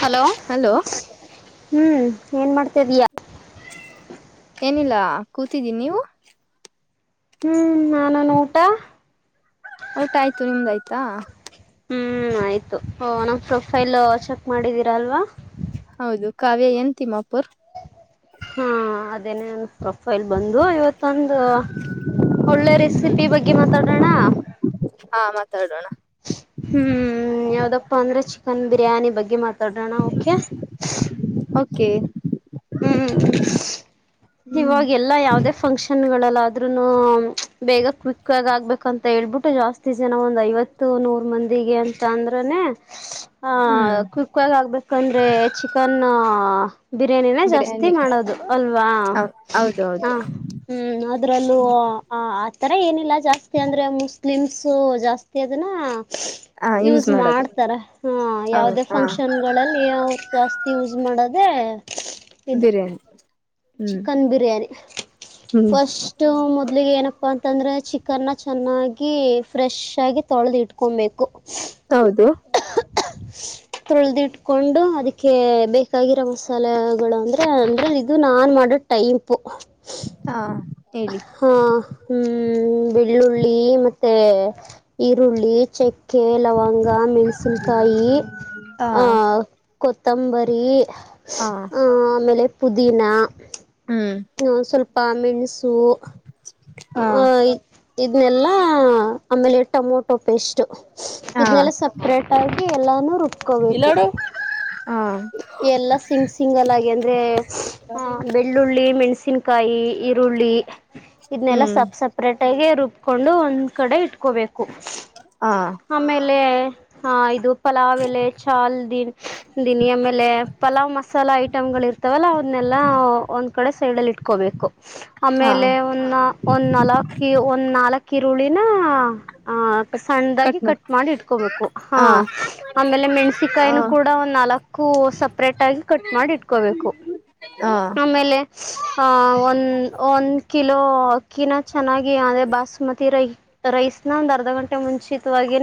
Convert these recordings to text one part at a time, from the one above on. Hello ಹ್ಮ್ ಏನ್ ಮಾಡ್ತಾ ಇದೀಯ ಏನಿಲ್ಲ ಕೂತಿದಿನ್ ನೀವು ಹ್ಮ್ ನಾನನ್ ಊಟ ಊಟ ಆಯ್ತು ನಿಮ್ದಾಯ್ತಾ ಹ್ಮ ಆಯ್ತು ನಮ್ ಪ್ರೊಫೈಲ್ ಚೆಕ್ ಮಾಡಿದೀರಾ ಅಲ್ವಾ. ಹೌದು ಕಾವ್ಯ ಎನ್ ತಿಮ್ಮಾಪುರ್. ಹಾ ಅದೇನ ನನ್ ಪ್ರೊಫೈಲ್ ಬಂದು ಇವತ್ತೊಂದು. ಒಳ್ಳೆ ರೆಸಿಪಿ ಬಗ್ಗೆ ಮಾತಾಡೋಣ ಹಾ ಮಾತಾಡೋಣ ಹ್ಮ್ ಯಾವ್ದೋ. [inaudible] ಅಂದ್ರೆ ಚಿಕನ್ ಬಿರಿಯಾನಿ ಬಗ್ಗೆ ಮಾತಾಡೋಣ ಓಕೆ. ಓಕೆ ಹ್ಮ್ ಹ್ಮ ಹ್ಮ್ ಇವಾಗ ಎಲ್ಲಾ ಯಾವದೇ ಫಂಕ್ಷನ್ ಗಳ. ದರೂನು ಬೇಗ ಕ್ವಿಕ್ ಆಗ ಆಗ್ಬೇಕ ಅಂತ ಹೇಬಿಟ್ಟು ಜಾಸ್ತಿ ಜನ ಒ ಐವತ್ತು ನೂ ನೂರು. ಮಂದಿಗೆ ಅಂತ ಅಂದ್ರನೆ. ಹ್ಮ್ ಹ ಕ್ವಿಕ್ ಆಗಿ ಆಗ್ಬೇಕಂದ್ರೆ ಚಿಕನ್. ಜಾಸ್ತಿ ಬಿರಿಯಾನಿ ಮಾಡೋದು ಅಲ್ವಾ ಹ ಹ. ಹೌದೌದು ಹ್ಮ್ ಅದ್ರಲ್ಲೂ ಆ ಥರ ಏನಿಲ್ಲ ಜಾಸ್ತಿ ಅಂದರೆ ಮುಸ್ಲಿಮ್ಸು ಜಾಸ್ತಿ ಅದನ್ನು ಹ ಯೂಸ್ ಮಾಡೋದು ಮಾಡ್ತಾರ ಹ ಹೌದು ಯಾವದೇ ಹ ಫಂಕ್ಷನ್ಗಳಲ್ಲಿ ಜಾಸ್ತಿ. ಯೂಸ್ ಮಾಡದೆ ಬಿರಿಯಾನಿ ಹ್ಮ್ ಚಿಕನ್ ಬಿರಿಯಾನಿ ಹ್ಮ್ ಫಸ್ಟ್ ಮೊದ್ಲಿಗೆ ಏನು. ಅಂತಂದ್ರೆ ಚಿಕನ್ನ ಚೆನ್ನಾಗಿ ಫ್ರೆಶ್ ಆಗಿ ತೊಳೆದಿಟ್ಕೊಬೇಕು. ಹೌದು ತೊಳ್ದಿಟ್ಕೊಂಡು ಅದಕ್ಕೆ ಬೇಕಾಗಿರೋ ಮಸಾಲೆಗಳು ಅಂದ್ರೆ ಅಂದ್ರೆ. ಇದು ನಾನ್ ಮಾಡೋ ಟೈಪು ಹಾ ಹೇಳಿ ಹಾ ಹ್ಮ್ ಬೆಳ್ಳುಳ್ಳಿ ಮತ್ತೆ ಈರುಳ್ಳಿ ಚಕ್ಕೆ ಲವಂಗ ಮೆಣಸಿನ್ಕಾಯಿ ಹಾ ಆ ಕೊತ್ತಂಬರಿ ಹಾ ಆ ಆಮೇಲೆ ಪುದೀನಾ ಹ್ಮ್ ಹ್ಮ ಸ್ವಲ್ಪ ಮೆಣಸು ಹಾ ಆ ಇದನ್ನಲ್ಲಾ ಆಮೇಲೆ ಟಮೊಟೊ ಪೇಸ್ಟ್ ಹಾ ಇದನೆೆಲ್ಲ ಸಪ್ರೇಟ್ ಆಗಿ ಎಲ್ಲಾನು ರುಬ್ಕೋಬೇಕು ಹಾ ಎಲ್ಲಾ ಸಿಂಗ್ ಸಿಂಗಲ್ಗಿ ಅಂದ್ರೆ ಬೆಳ್ಳುಳ್ಳಿ ಮೆಣ್ಸಿನ್ ಕಾಯಿ ಈರುಳ್ಳಿ ಇದನ್ನಲ್ಲ ಹ್ಮ್ ಸಬ್ ಸಪ್ರೇಟ್ ಳಗೆ ರುಬ್ಕೊಂಡು ಒಂದ್ ಕಡೆ ಇಟ್ಕೋಬೇಕು ಹಾ ಆಮೇಲೆ ಹಾ ಇದು ಪಲಾವ್ ಎಲೆ ಚಾಲ್ ದಿನ ದಿನಿ ಆಮೇಲೆ ಪಲಾವ್ ಮಸಾಲ ಇಐ ಟಮ್ಗಳು ಇರ್ತಾವಲ್ಲ ಅವನ್ನೆಲ್ಲ ಒಂದ್ ಕಡೆ ಸೈಡ್ ಅಲ್ಲಿ ಇಟ್ಕೋಬೇಕು ಹಾ ಆಮೇಲೆ ಒ ಒಂದ್ ನಾಲ್ಕಿ ಒಂದ್ ನಾಲ್ಕ್ ಈರುಳ್ಳಿನ ಆಹ ಸಣ್ಣಾಗಿ ಕಟ್ ಮಾಡಿ ಇಟ್ಕೋಬೇಕು ಹಾ ಆಮೇಲೆ ಹಾ ಮೆಣ್ಸಿಕಾಯಿನೂ ಕೂಡ ಒಂದ್ ನಾಲಕ್ಕು ಕೂ ಸಪ್ರೇಟ್ ಆಗಿ ಕಟ್ ಮಾಡಿ ಇಟ್ಕೋಬೇಕು ಹಾ ಆಮೇಲೆ ಹಾ ಒನ್ ಒನ್ ಕಿಲೋ ಅಕ್ಕಿನ ಚೆನ್ನಾಗಿ ಅದೇ ಬಸ್ಮತಿ ರೈ ರೈಸ್ನ ಒಂದ್ ಅರ್ಧ ಗಂಟೆ ಮುಂಚಿತವಾಗಿ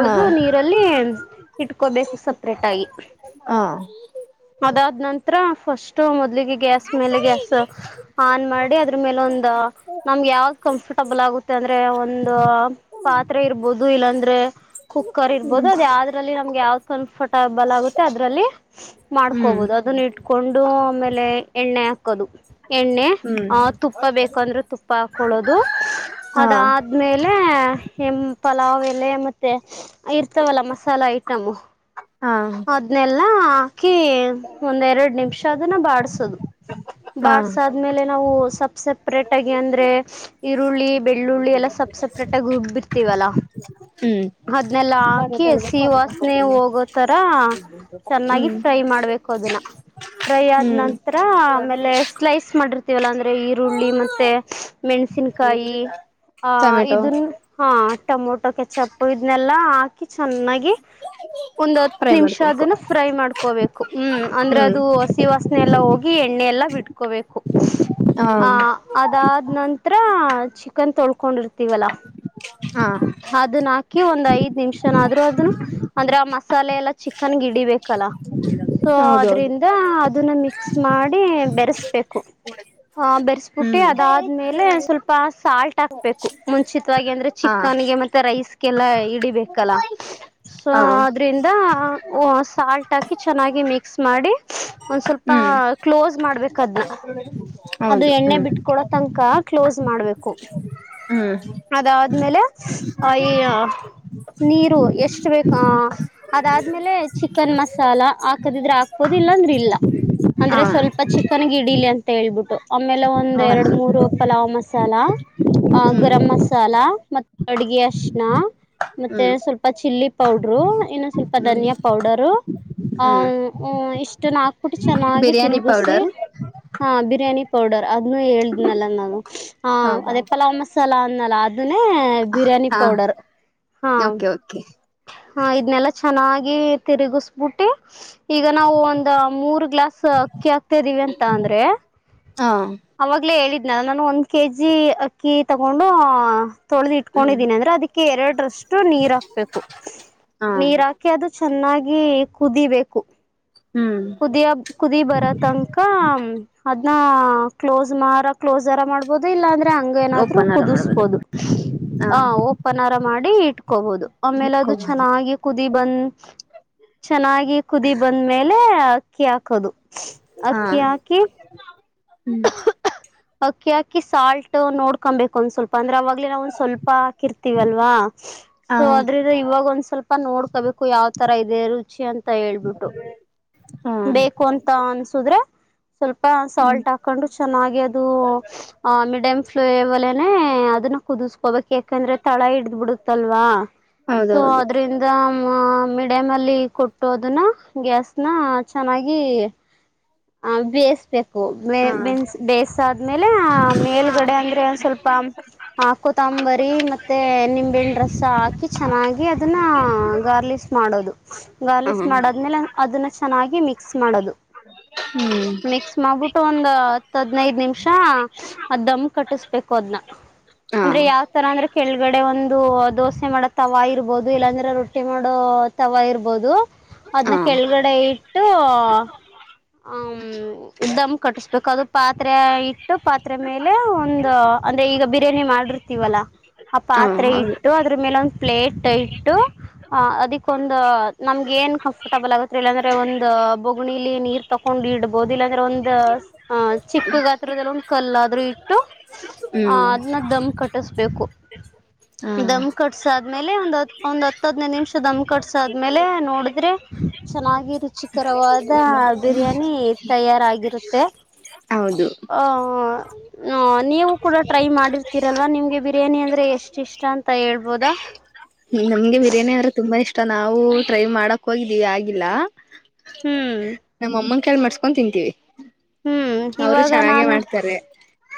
ಹಾ ನೀರಲ್ಲಿ ಇಟ್ಕೋಬೇಕು ಸಪ್ರೇಟ್ ಆಗಿ ಹಾ ಅದಾದ್ ನಂತರ ಫಸ್ಟ್ ಮೊದ್ಲಿಗೆ ಗ್ಯಾಸ್ ಮೇಲೆ ಗ್ಯಾಸ್ ಆನ್ ಮಾಡಿ ಅದ್ರ ಮೇಲೆ ಒಂದು ನಮಗೆ ಯಾವ್ದ್ ಕಂಫರ್ಟಬಲ್ ಏನಾಗುತ್ತೆ ಅಂದ್ರೆ ಒಂದು ಪಾತ್ರೆ ಇರ್ಬೋುದು ಇಲ್ಲಾಂದ್ರೆ ಕು ಕುಕರಿರ್ಬೋದು ಹ್ಮ್ ಅದ ಯ್ರಲ್ಲಿ ನಮ್ಗೆ ಯಾವ್ದ್ ಕನ್ಫರ್ಟಬಲ್ ಆಗುತ್ತೆ ಅದ್ರಲ್ಲಿ ಹ್ಮ್ ಮಾಡ್ಕೋಬಹುದು ಅದನ್ನ ಇಟ್ಕೊಂಡು ಆಮೇಲೆ ಎಣ್ಣೆ ಹಾಕದು ಎಣ್ಣೆ ಹ್ಮ್ ಆಹ ತುಪ್ಪ ಬೇಕುಂದ್ರೆ ತುಪ್ಪ ಹಾಕ್ಕೊಳ್ಳೋದು ಹಾ ಅದಾದ್ಮೇಲೆ ಹೆಂ ಪಲಾವ್ ಎಲೆ ಮೆ ಇರ್ತವಲ್ಲ ಮಸಾಲ ಐಟಮು ಹಾ ಅಲ್ಲ ಕಿ ಒಂದ ಎರಡ್ ನಿಮಿಷ ಅದನ್ನ ಬಾಡಸದು ಹಾ ಬಾಸಾದ್ಮೇಲೆ ಸಪ್ರೇಟ್ ಆಗಿ ಅಂದ್ರೆ ಈರುಳ್ಳಿ ಬೆಳ್ಳುಳ್ಳಿ ಎಲ್ಲಾ ಸಬ್ ಸಪ್ರೇಟ್ ಆಗಿ ರುಬ್ಬಿರ್ತೀವಲ್ಲಾ ಹ್ಮ್ ಅದ್ನೆಲ್ಲ ಹಾಕಿಸ ವಾಸನೆ ಹೋಗೋತರ ಚೆನ್ನಾಗಿ ಹ್ಮ್ ಫ್ರೈ ಮಾಡ್ಬೇಕು ಅದು ್ರೈ ಆದ ಹ್ಮ್ ನಂತರ ಆಮೇ ಸ್ಲೈಸ್ ಮಾಡ ವಲ್ಲ ಅಂದ್ರೆ ಈರುಳ್ಳಿ ಮತ್ತೆ ಮೆಣಸಿಿನಕಾಯಿ ಆ ಟೊಮೆಟೊ ಇದನ್ನು ಹ ಟೊಮೊಟೊ ಕೆಚ್ಚಪ್ಪು ಇದನ್ನಲ್ಲಾ ಹಾಕಿ ಚೆನ್ನಾಗಿ ಒಂದ್ ಹತ್ತು ಫ್ರೈ ನಿಮಿಷ ಮಾಡ್ಕೊಬೇಕು ಅದನ್ನ ಫ್ರೈ ಮಾಡ್ಕೋಬೇಕು ಹ್ಮ್ ಅಂದ್ರೆ ಹ್ಮ್ ಅದು ಹಸಿ ವಾಸನೆ ಎಲ್ಲಾ ಹೋಗಿ ಎಣ್ಣೆ ಎಲ್ಲ ಎಲ್ಲ ಬಿಟ್ಕೋಬೇಕು ಆ ಹ ಅದಾದ್ ನಂತರ ಚಿಕನ್ ತೊಳ್ಕೊಂಡಿರ್ತ ಇೀವಲ ಹಾ ಅದನ್ನ ಹಾಕಿ ಒಂದ್ ಐದ್ ನಿಮಿಷನಾದ್ರು ಅದನ್ನು ಅಂದ್ರೆ ಆ ಮಸಾಲೆ ಎಲ್ಲ ಚಿಕನ್ಗೆ ಗಿಡಿಬೇಕಲ್ಲ ಸೊ ಹೌದೌದು ಅದ್ರಿಂದ ಅದನ್ನ ಮಿಕ್ಸ್ ಮಾಡಿ ಬೆರೆಸ್ಬೇಕು ಹ ಬೆರೆಸ್ಬಿಟ್ಟಿ ಹ್ಮ್ ಅದಾದ್ಮೇಲೆ ಸ್ವಲ್ಪ ಆ ಸಾಲ್ಟ್ ಹಾಕ್ಬೇಕು ಮುಂಚಿತವಾಗಿ ಅಂದ್ರೆ ಹಾ ಚಿಕನ್ ಗೆ ಮತ್ತೆ ರೈಸ್ಗೆಲ್ಲ ಇಡಿಬೇಕಲ್ಲ ಸೊ ಹಾ ಅದ್ರಿಂದ ಸಾಲ್ಟ್ ಹಾಕಿ ಚೆನ್ನಾಗಿ ಮಿಕ್ಸ್ ಮಾಡಿ ಒಂದ್ ಸ್ವಲ್ಪ ಹ್ಮ್ ಕ್ಲೋಸ್ ಮಾಡ್ಬೇಕದ್ನ್ನ ಅದು ಹೌದು ಎಣ್ಣೆ ಹ್ಮ್ ಬಿಟ್ಕಡ ತನಕ ಕ್ಲೋಸ್ ಮಾಡ್ಬೇಕು ಹ್ಮ್ ಅದಾದ್ಮೇಲೆ ಆ ಈ ನೀರು ಎಷ್ಟು ಬೇಕ ಅದಾದ್ಮೇಲೆ ಚಿಕನ್ ಮಸಾಲ ಹಾಕದಿದ್ರೆ ಹಾಕ್ಬೋದಿಲ್ಲ ಹಾ ಅಂದ್ರೆ ಸ್ವಲ್ಪ ಚಿಕನ್ಗಿಡಿಲಿ ಅಂತ ಬಿಟ್ಟು ಆಮೇಲೆ ಹ ಒಂದ್ ಎರಡು ಮೂರು ಪಲಾವ್ ಮಸಾಲ ಅ ಹ್ಮ್ ಗರಂ್ ಮಸಾಲ ಮ ಅಡ್ಗೆ ಅ ಮೆ ಹ್ಮ್ ಸ್ವಲ್ಪ ಚಿಲ್ಲಿ ಪೌಡರು ಇನ್ನು ಸ್ವಲ್ಪ ಹ್ಮ್ ನಿಯಾ ಪೌಡರು ಹ್ಮ್ ಇ ನ ಬಟ್ಟ ಚೆನ್ನಾಗಿ ಬಿರಿಯಾನಿ ತಿರುಗಸ ಪೌಡರ್ ಬಿರಿ್ಯಾನಿ ಪೌಡರ್ ಅದನ್ನು ಹೇಳ್ನಲ್ಲ ನ ಹೌದಾ ಅದೇ ಪಲಾವ್ ಮಸಾಲ ಅಲ್ಲ ಅ ಬಿರಿ್ಯಾನಿ ಹಾ ಪೌಡರ್ ಹ ಓಕೆ ಓಕೆ ಇದನ್ನಲ್ಲ ಚೆನ್ನಾಗಿ ತಿರುಗಿಸಬಿಟ್ಟಿ ಈಗ ನಾವು ಒಂದ ಮೂರ್ ಗ್ಲಾಸ್ ಅಕ್ಕಿ ಹಾಕ್ತ ಅಂದ್ರೆ ಹಾ ಅವಾಗಲೇ ಹೇಳಿದ್ದ ನಾನ ನಾನು ಒಂದ್ ಕೆಜಿ ಅಕ್ಕಿ ತಗೊಂಡು ತೊಳೆ್ದ ಹ್ಮ್ ಇಟ್ಕೊಂಡಿದೀನಿ ಅಂದ್ರೆ ಅದಕ್ಕೆ ಎರಡರಷ್ಟು ನೀರ್ ಹಾಕ್ಬೇಕು ಹಾ ನೀರ್ ಹಾಕಿ ಅದು ಚೆನ್ನಾಗಿ ಕುದಿಬೇಕು ಹ್ಮ್ ಕುದಿಯ ಕುದಿ ಬರ ತನಕ ಅ ನ ಕ್ಲೋಸ್ ಮಾರ ಕ್ಲೋಸ್ಾರ ಮಾಡ್ಬ ಬೋದು ಇಲ್ಲಾಂದ್ರೆ ಹಂಗ ಏನಾದ್ರು ಓಪನರ ಮಾಡ್ಬೋದು ಕುದಿಸಬೋದು ಹಾ ಹ ಒಪ್ಪನಾರ ಮಾಡಿ ಇಟ್ಕೋಬಹುದು ಆಮೇಲೆ ಅದು ಇಟ್ಕೋಬೋದು ಚೆನ್ನಾಗಿ ಕುದ ಕುದಿ ಬಂದ ಚೆನ್ನಾಗಿ ಕುದಿ ಬಂದ್ಮೇಲೆ ಅಕ್ಕಿ ಹಕ್ಕದು ಹಾ ಅಕ್ಕಿ ಹಾಕಿ ಹ್ಮ್ ಅಕ್ಕಿ ಅಕ್ಕಿ ಸಾಲ್ಟ್ ನೋಡ್ಕೊಬೇಕು ಒಂದ್ ಸ್ವಲ್ಪ ಅಂದ್ರೆ ಅವವಾಗ್ಲ ನಾವು ಒಂದ್ ಸ್ವಲ್ಪ ಹಾಕರ್ತಿವಲ್ವಾ ಹಾ ಸೊ ಅದ್ರಿಂದ ಇವಾಗ ಒಂದ್ ಸ್ವಲ್ಪ ನೋಡ್ಕೋಬೇಕ ು ಯಾವ್ ತರ ಇದೆ ರುಚಿ ಅಂತ ಹೇಳ್ಬಿಟ್ಟು ಹ್ಮ್ ಬೇಕು ಅಂತ ಅನ್ಸುದ್ರೆ ಸ್ವಲ್ಪ ಹ್ಮ್ ಸಾಲ್ಟ್ ಹಾಕೊಂಡು ಚೆನ್ನಾಗಿ ಅದು ಮಿಡಮ್ ಫ್ಲೇವಲನೇ ಅದನ್ನ ಕುದಿಸಕೋಬೇಕು ಯಾಕಂದ್ರೆ ತಳ ಹಿಡ್ದ ಬಿಡುತ್ತಲ್ವಾ ಸೊ ಹೌದೌದು ಅದ್ರಿಂದ ಮಿಡಮ್ ಅಲ್ಲಿ ಕೊಟ್ಟುದನ್ನ ಗ್ಯಾಸ್ನ ಚೆನ್ನಾಗಿ ಹ ಬೇಸ್ಬೇಕು ಹಾ ಬನ್ ಬೇಯಸಾದ್ಮೇಲೆ.... ಮೇಲುಗಡೆ ಅಂದ್ರೆ... ಸ್ವಲ್ಪ ಹ ಕೊತ್ತಂಬರಿ ಮತ್ತೆ ನಿಂಬೆಣ ರಸ ಹಾಕಿ ಚೆನ್ನಾಗಿ ಅದನ್ನ ಗಾರ್ಲಿಕ್ ಮಾಡೋದು ಹ ಗಾರ್ಲಿಶ್ ಮಾಡದ್ಮೇಲೆ.. ಅದನ್ನು ಚೆನ್ನಾಗಿ ಮಿಕ್ಸ್ ಮಾಡೋದು ಹ್ಮ್ ಮಿಕ್ಸ್ ಮಾಡ್ಬಿಟ್ಟು ಒಂದ್ ಹತ್ತ ಹದ್ನೈದ ನಿಮಿಷ ದಮ್ ಕಟ್ಟಿಸ್ಬೇಕು ಅದನ್ನ. ಹಾ ಅಂದ್ರೆ ಯಾವ್ ತರ ಅಂದ್ರೆ ಕೆಳಗಡೆ ಒಂದು ದೋಸೆ ಮಾಡ ತವಾ ಇರ್ಬೋದು ಇಲ್ಲಾಂದ್ರೆ ರೊಟ್ಟಿ ಮಾಡೋ.... ತವಾ ಇರ್ಬೋದು ಹಾ ಅದ್ನ್ನ ಹಾ ಕೆಳಗಡೆ ಇಟ್ಟು ಹ.. ದಮ ಕಟ್ಟಸಬೇಕು ಅದು ಪಾತ್ರೆ ಇಟ್ಟು ಪಾತ್ರೆ ಮೇಲೆ ಒಂದು ಅಂದ್ರೆ ಈಗ ಬಿರಿಯಾನಿ ಮಾಡಿರ್ತೀವಲ್ಲ ಆ ಪಾತ್ರೆ ಹೌದು ಇಟ್ಟು ಅದರ ಮೇಲೆ ಒಂದ್ ಪ್ಲೇಟ್ ಇಟ್ಟು ಅ ಅದಿಕ್ಕ ಒಂದ ನಮ್ಗೆ ಏನ್ ಕಂಫರ್ಟಬಲ್ ಆಗತ್ ಇಲ್ಲಾಂದ್ರೆ ಒಂದ ಬೋಗಣಿಲಿ ನೀರ್ ತಕೊಂಡ... ನ ಇಡ್ಬಹುದು ಇಲ್ಲಾ ಅಂದ್ರೆ ಒಂದು ಆಹ ಚಿಕ್ಕ ಗಾತ್ರದಲ್ಲ ಒಂದ್ ಕಲ್ಲಾದ್ರೂ ಇಟ್ಟು ಆ ಹ್ಮ್ ಅದ್ನ್ನ ದಮ್ ಕಟ್ಟಸ... ಬೇಕು ಹಾ ದಮ್ ಕಟ್ಸ ಆದ್ಮೇಲೆ ಒಂದ್ ಒಂದ್ ಹತ್ತ ಹದ್ನೇದು ನಿಮಿಷ ದಮ್ ಕಟ್ಸಾದ್ಮೇಲೆ ನೋಡಿದ್ರೆ.. ಚೆನ್ನಾಗಿ ರುಚಿಕರವಾದ ಬಿರಿಯಾನಿ ತಯಾರಾಗಿರುತ್ತೆ. ತ್ತೇ ಹೌದು ಹ ನ ನೀವು ಕೂಡ ಟ್ರೈ ಮಾಡಿರ್ತೀರಲ್ವಾ ನಿಮ್ಗೆ ಬಿರಿಯಾನಿ ಅಂದ್ರೆ ಎಷ್ಟ ಇಷ್ಟ ಅಂತ ಹೇಳ್ಬೋದಾ?? ಹ್ಮ ನಮ್ಗೆ ಬಿರಿಯಾನಿ ಅಂದ್ರೆ ತುಂಬಾ ಇಷ್ಟ ನಾವು ಟ್ರೈ ಮಾಡಕ್ ಹೋಗಿದ್ದೀವಿ ಆಗಿಲ್ಲ. ಹ್ಮ್ ಕೈಲ್ಲಿ ಮಾಡಸ್ಕೊಂಡ್ ತಿಂತೀವಿ. ಹ್ಮ್ ಅವರು ಇವಾಗ ಚೆನ್ನಾಗೆ ನಾನು ಮಾಡ್ತಾರೆ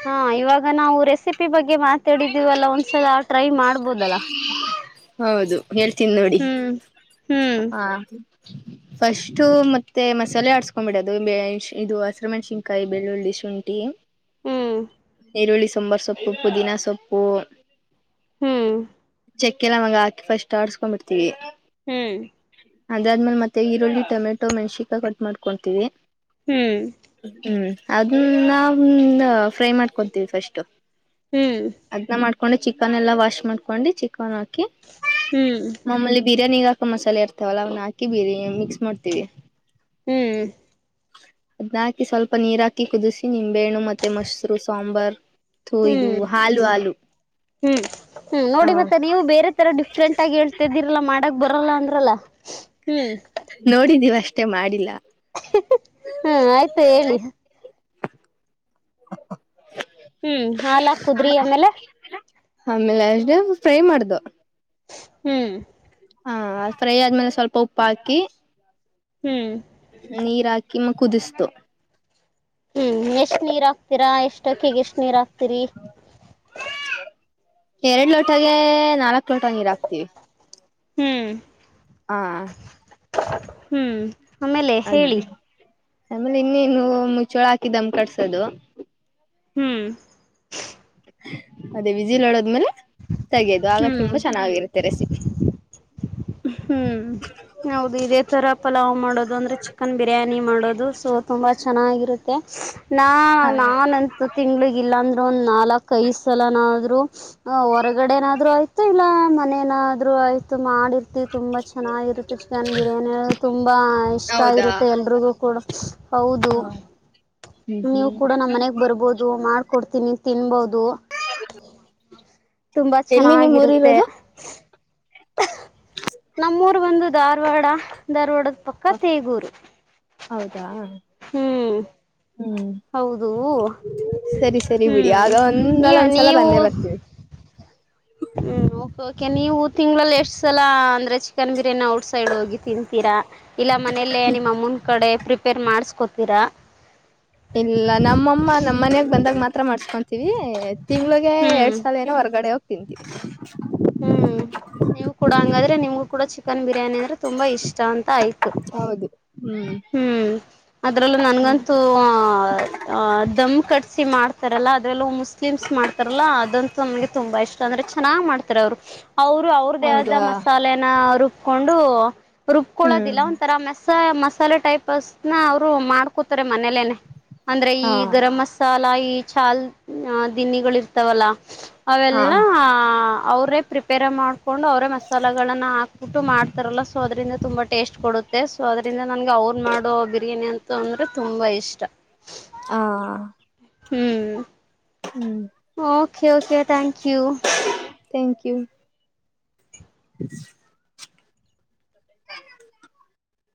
ಹ... ಇವಾಗ ನಾವು ರೆಸಿಪಿ ಬಗ್ಗೆ ಮಾತಾಡಿದೀವ ಅಲ್ಲ ಒಂದ್ಸಲ ಆಟೋ. ಹೌದು ಹೇಳ್ತೀನ ನೋಡಿ ಹ್ಮ್ ಹ್ಮ್ ಹಾ [inaudible] ಫಸ್ಟು ಮತ್ತೆ ಮಸಾಲೆ ಆಡ್ಸ್ಕೊಂಡ್ಬಿಡ ಅದು ಇದು ಹಸಿ ಮೆಣ್ಸಿನ್ಕಾಯಿ ಬೆಳ್ಳುಳ್ಳಿ ಶುಂಠಿ ಹ್ಮ್ ಈರುಳ್ಳಿ ಸಾಂಬಾರ ಸೊಪ್ಪು ಪುದೀನ ಸೊಪ್ಪು ಹ್ಮ್ ಎಲ್ಲಕ್ಕಿ ಲವಂಗ ಹಾಕಿ ಫಸ್ಟ್ ಆಡ್ಸ್ಕೊಂಡಂಬಿಡ್ತೀವಿ ಹ್ಮ್ ಅದಾದ್ಮೇಲೆ ಮತ್ತೆ ಈರುಳ್ಳಿ ಟೊಮೆಟೊ ಮೆನಾಸಿನ ಕಾಯಿ ಕಟ್ ಮಾಡ್ಕೊಂತೀವಿ... ಹ್ಮ್ ಹ್ಮ್ ಅದನ್ನ ಫ್ರೈ ಮಾಡ್ಕೊತೀವಿ ಫಸ್ಟ್ ಹ್ಮ್ ಹಾಕೊಂಡು ಚಿಕನ್ ಎಲ್ಲಾ ವಾಶ್ ಮಾಡ್ಕೊಂಡು ಚಿಕನ್ ಹಾಕಿ ಹ್ಮ್ ಮಮಲ್ಲಿ ಬಿರಿಯಾನಿ ಹಾ ಚಿಕನ್ ಹಾಕ ಮಸಾಲೆ ಇರ್ತಾವಲ್ಲ ಅವ್ನ ಹಾಕಿ ಬೀರಿ ಮಿಕ್ಸ್ ಮಾಡ್ತೀವಿ ಹ್ಮ್ ಅದ್ನ್ನಾಕಿ ಸ್ವಲ್ಪ ನೀರಾಕಿ ಕುದಿಸಿ ನಿಂಬೆಣು ಮತ್ತೆ ಮೊಸರು ಸಾಂಬಾರ ಥಂಯ್ದು ಹ್ಮ್ ಹಾಲು ಹಾಲು ಹ್ಮ್ ಹ್ಮ್ ಹ ನೋಡಿ ಮತ್ತೆ ನೀವು ಬೇರೆ ತರ ಡಿಫ್ರೆಂಟ್ ಆಗಿ ಹೇಳ್ತಿದ್ದೀರಲ್ಲ ಮಾಡಕ್ ಬರಲ್ಲ ಅಂದ್ರಲ್ಲ. ಹ್ಮ್ ನೋಡಿದೀವ ಅಷ್ಟೆ ಮಾಡಿಲ್ಲ. ಹಾ ಆಯ್ತು ಹೇಳಿ... ಹ್ಮ್ ಹಾಲ್ ಹಾಕಿ ಉದ್ರಿ ಆದ ಆಮೇಲೆ ಆಮೇಲೆ ಅಷ್ಟೇ ಫ್ರೈ ಮಾಡ್ದ. ಹ್ಮ್ ಹಾ ಫ್ರೈ ಆದ್ಮೇಲೆ ಸ್ವಲ್ಪ ಉಪ್ಪ ಹಾಕಿ ಹ್ಮ್ ನೀರಾಕಿಮ್ಮ ಕುದಿಸ್ತು ಹ್ಮ್ ಎಷ್ಟ ನೀರ್ ಹಾಕ್ತೀರಾ?? ಎಷ್ಟ ಅಕ್ಕಿಗಿ ಎಷ್ಟ ನೀರ್ ಹಾಕ್ತೀರಿ?? ಎರಡ್ ಲೋಟಗೆ ನಾಲ್ಕ್ ಲೋಟ ನೀರ್ ಹಾಕ್ತಿೀವಿ ಹ್ಮ್ ಹಾ ಹ್ಮ್ ಆಮೇಲೆ ಹೇಳಿ ಆಮೇಲೆ ಇನ್ನೇನು ಮುಚ್ಚೋಳ ಹಾಕಿದಮ್ ಕಡ್ಸೋದು ಹ್ಮ್ ಅದೇ ಬಿಸಿಲ್ಾಡೋದ್ಮೇಲೆ ತಗಿಯೋದು ಆಗ ಹ್ಮ್ ತುಂಬಾ ಚೆನ್ನಾಗಿರುತ್ತೆ ರೆಸಿಪಿ ಹ್ಮ್ ಹೌದು ಇದೇ ತರ ಪಲಾವ್ ಮಾಡೋದು ಅಂದ್ರೆ ಚಿಕನ್ ಬಿರಿಯಾನಿ ಮಾಡೋದು ಸೊ ತುಂಬಾ ಚೆನ್ನಾಗಿರುತ್ತೆ ನಾ ನಾನನ್ಂತು ತಿಂಗಳಗ್ ಇಲ್ಲಾಂದ ಒ್ ನಾಲ್ಕ ೈ ಸಲನಾದ್ರು ಹೊರಗಡೆನಾದ್ರು ಆಯ್ತಾ ಇಲ್ಲ ಮನೇನಾದ್ರು ಆಯ್ತು ಮಾಡಿ ತುಂಬಾ ಚೆನ್ನಾಗಿರುತ್ತೆ ಚಿಕನ್ ಬಿರಿಯಾನಿ ತುಂಬಾ ಇಷ್ಟ ಹೌದಾ ಇರುತ್ತೆ ಎಲ್ರಿಗೂ ಕೂಡ ಹೌದು ಹ್ಮ್ ನೀವು ಹ್ಮ್ ಕೂಡ ನಮ್ಮ್ ಮನೆಗ್ ಬರ್ಬೋದು ಮಾಡ್ಕೊಡ್ತೀನಿ ತಿನ್ಬೋದು ತುಂಬಾ ಎಲ್ಲಿ ನಿಮ್ ಊರ್ ಚೆನ್ನಾಗಿರುತ್ತೆ ಇರೋದು ನಮ್ಮೂರ್ ಬಂದು ಧಾರವಾಡ ಧಾರವಾಡದ ಪಕ್ಕ ತೇಗೂರು ಹೌದಾ ಹ್ಮ್ ಹ್ಮ್ ಹೌದು ಸರಿ ಸರಿ ಬಿಡಿ ಹ್ಮ್ ಆಗ ನೀ ಒಂದಲ್ಲ ಒಂದ್ಸಲ ನೀವು ಬಂದೇ ಬರ್ತೀವಿ ಹ್ಮ್ ಕೆ ಕೆ ನೀವು ತಿಂಗಳಗಳಲ್ಲಿ ಎಷ್ಟ್ ಸಲ ಅಂದ್ರೆ ಚಿಕನ್ ಬಿರಿಯಾನಿ ಔಟ್ ಸೈಡ್ ಹೋಗಿ ತಿಂತೀರಾ ಇಲ್ಲ ಮನೇಲ್ಲೇ ನಿಮ್ಮ ಮುಂದ ಕಡೆ ಪ್ರಿಪೇರ್ ಮಾಡಸ್ಕೋತೀರ ಇಲ್ಲ ನಮ್ಮಮ್ಮ ನಮ್ಮ ಮನಯಾಗ ಬಂದಾಗ ಮಾತ್ರ ಮಾಡಸ್ಕೊಂತೀವಿ ತಿಂಗಳಗೆ ಹ್ಮ್ ಎರಡ್ ಸಾಲ ಏನೋ ಹೊರ್ಗಡೆ ಹೋಗ್ತಂತ ಹ್ಮ್ ನೀವು ಕೂಡ ಹ್ಮ್ ಹಂಗಾದ್ರೆ ನಿಮ್ಗೂ ಕೂಡ ಚಿಕನ್ ಬಿ ಬಿರಿಯಾನಿ ಅಂದ್ರೆ ತುಂಬಾ ಇಷ್ಟ ಅಂತ ಆಯ್ತು ಹೌದು ಹ್ಮ್ ಹ್ಮ್ ಅದ್ರಲ್ಲೂ ನನ್ಗಂತೂ ದಮ್ ಕಟ್ಸಿ ಮಾಡ್ತಾರಲ್ಲ ಅದ್ರಲ್ಲೂ ಮುಸ್ಲಿಮ್ಸ್ ಮಾಡ್ತಾರಲ್ಲ ಅದಂತೂ ನಮಗೆ ತುಂಬ ಇಷ್ಟ ಅಂದ್ರೆ ಚೆನ್ನಾಗಿ ಮಾಡ್ತ ಅವರು ಅವ್ರು ಅವ್ರ ದೇವದ ಹೌದಾ ಮಸಾಲೆನ ರುಬ್ಕೊಂಡು ರುಬ್ಕಳೋದಿಲ್ಲ ಹ್ಮ್ ಒಂಥರ ಮಸ ಮಸಾಲೆ ಟೈಪ್ಸ್ನ ಅವ್ರು ಮಾಡ್ಕೊತಾರ ಮನೇೇ ಅಂದ್ರೆ ಹಾ ಈ ಗರಂ್ ಮಸಾಲ ಈ ಚಾಲ್ ದಿನಿಗಳು ಇರ್ತಾವಲ್ಲ ಹಾ ಅವೆಲ್ಲಾ ಅವರೇ ಪ್ರಿಪೇರ್ ಮಾಡ್ಕೊಂಡು ಅವರೇ ಮಸಾಲೆಗಳನ್ನ ಹಾಕ್ಬಿಟ್ಟು ಮಾಡ್ತಾರಲ್ಲ ಸೊ ಅದರಿಂದ ತುಂಬಾ ಟೇಸ್ಟ್ ಕೊಡುತ್ತೆ ಸೊ ಅದರಿಂದ ನನ್ಗೆ ಅವರು ಮಾಡೋ ಬಿರಿಯಾನಿ ಅಂತೂ ಅಂದ್ರೆ ತುಂಬಾ ಇಷ್ಟ ಹ ಹ್ಮ್ okay okay thank you thank you ಹ್ಮ [unintelligible]